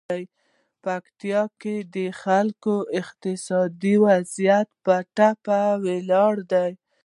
پکتیکا کې د خلکو اقتصادي وضعیت په ټپه ولاړ دی.